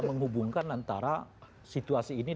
menghubungkan antara situasi ini